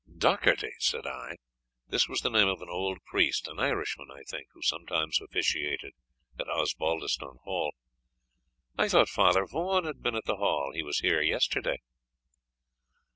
"Docharty!" said I (this was the name of an old priest, an Irishman, I think, who sometimes officiated at Osbaldistone Hall) "I thought Father Vaughan had been at the Hall. He was here yesterday."